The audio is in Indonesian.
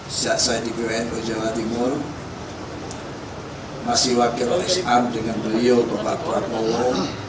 sejak saya di bwn ojt masih wakil s a m dengan beliau bapak krakowo